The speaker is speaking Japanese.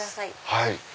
はい。